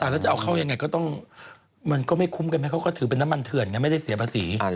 แล้วจะเอาเข้ายังไงก็ต้องมันก็ไม่คุ้มกันไหมเขาก็ถือเป็นน้ำมันเถื่อนไงไม่ได้เสียภาษี